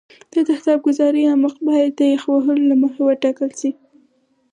د تهداب ګذارۍ عمق باید د یخ وهلو له مخې وټاکل شي